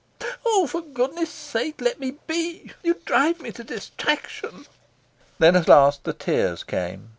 "Oh, for goodness sake, let me be. You drive me to distraction." Then at last the tears came.